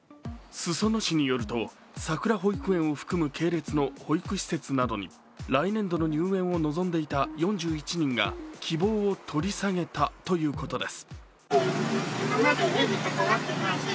裾野市によるとさくら保育園を含む系列の保育施設などに来年度の入園を望んでいた４１人が希望を取り下げたということです。